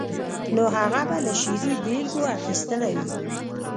نو هغه به له شعري بېلګو اخیستنه وي.